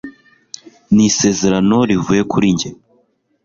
ni isezerano rivuye kuri njye